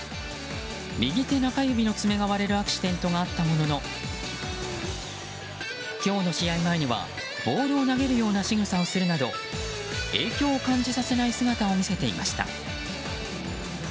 右手中指の爪が割れるアクシデントがあったものの今日の試合前にはボールを投げるようなしぐさをするなど影響を感じさせない姿を見せていました。